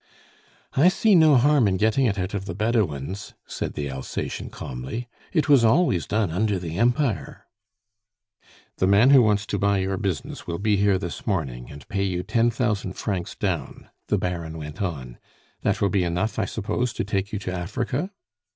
"I see no harm in getting it out of the Bedouins," said the Alsatian calmly. "It was always done under the Empire " "The man who wants to buy your business will be here this morning, and pay you ten thousand francs down," the Baron went on. "That will be enough, I suppose, to take you to Africa?"